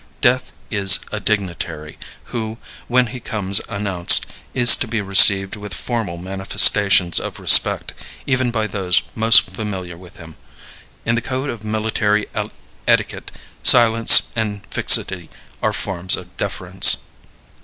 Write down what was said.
Death is a dignitary who, when he comes announced, is to be received with formal manifestations of respect, even by those most familiar with him. In the code of military etiquette, silence and fixity are forms of deference.